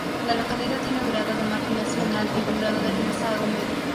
La localidad tiene un grado de marginación alto y un grado de rezago medio.